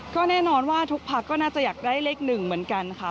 ก็แน่นอนว่าทุกพักก็น่าจะอยากได้เลข๑เหมือนกันค่ะ